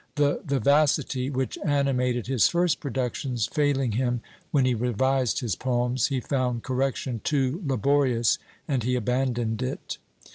The vivacity which animated his first productions failing him when he revised his poems, he found correction too laborious, and he abandoned it.